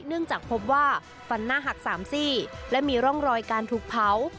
เนื่องจากพบว่าฟันหน้าหัก๓ซี่และมีร่องรอยการถูกเผา